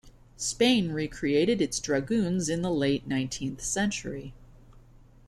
Spain recreated its dragoons in the late nineteenth century.